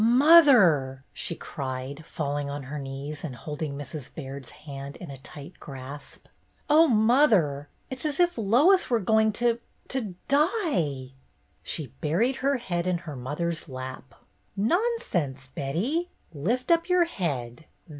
"Mother," she cried, falling on her knees LOIS'S ENGAGEMENT 201 and holding Mrs. Baird's hand in a tight grasp, "oh, mother, it 's as if Lois were going to — to — die !" She buried her head in her mother's lap. "Nonsense, Betty. Lift up your head.